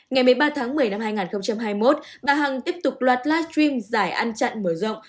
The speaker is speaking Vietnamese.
ngày một mươi ba tháng một mươi năm hai nghìn hai mươi một bà hằng tiếp tục loạt livestream giải ăn chặn mở rộng